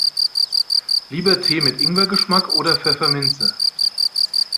Lieber Tee mit Ingwer-Geschmack oder Pfefferminze?